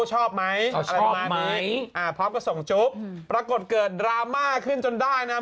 ชอบไหมชอบไหมอ่าพร้อมก็ส่งจุบอืมปรากฏเกิดดราม่าขึ้นจนได้น่ะ